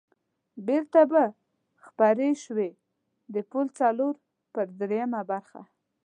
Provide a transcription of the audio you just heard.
بېرته به خپرې شوې، د پل څلور پر درېمه برخه.